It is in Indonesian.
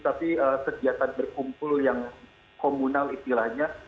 tapi setiap saat berkumpul yang komunal istilahnya